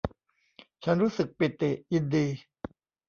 ฉันรู้สึกปิติยินดี